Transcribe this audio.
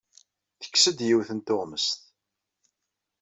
Tekkes-d yiwet n tuɣmest.